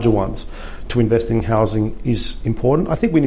untuk berinvestasi di perumahan adalah penting